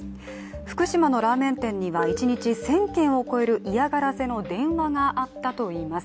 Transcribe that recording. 福島のラーメン店には一日１０００件を超える嫌がらせの電話があったといいます。